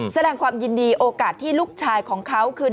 แสดงความยินดีโอกาสที่ลูกชายของเขาคือ